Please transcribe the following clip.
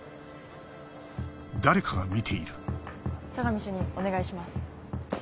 相模主任お願いします。